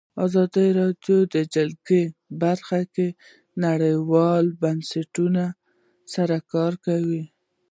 افغانستان د جلګه په برخه کې نړیوالو بنسټونو سره کار کوي.